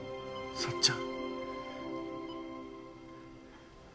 さっちゃん。